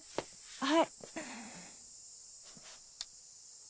はい。